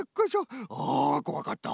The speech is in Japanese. あこわかった。